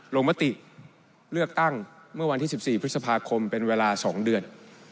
ลงมติเลือกตั้งเมื่อวันที่๑๔พฤษภาคมเป็นเวลา๒เดือน